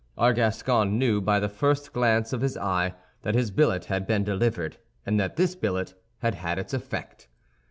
Our Gascon knew, by the first glance of his eye, that his billet had been delivered, and that this billet had had its effect.